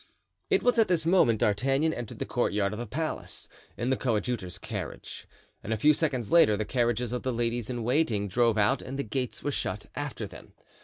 It was at this moment D'Artagnan entered the courtyard of the palace, in the coadjutor's carriage, and a few seconds later the carriages of the ladies in waiting drove out and the gates were shut after them.